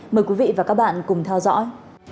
mời quý vị và các bạn cùng theo dõi